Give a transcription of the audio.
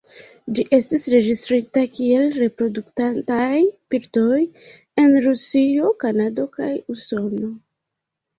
Ĝi estis registrita kiel reproduktantaj birdoj en Rusio, Kanado kaj Usono.